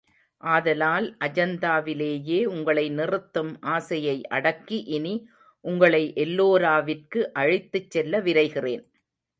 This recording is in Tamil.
ஆதலால் அஜந்தாவிலேயே உங்களை நிறுத்தும் ஆசையை அடக்கி இனி உங்களை எல்லோராவிற்கு அழைத்துச் செல்ல விரைகிறேன்.